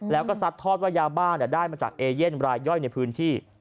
แล้วก็ซัดทอดว่ายาบ้าได้มาจากเอเย่นรายย่อยในพื้นที่